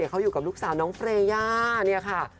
เขาอยู่กับลูกสาวน้องเฟรยา